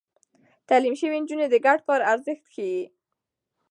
تعليم شوې نجونې د ګډ کار ارزښت ښيي.